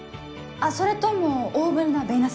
あっそれとも大ぶりな米ナス？